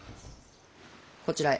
こちらへ。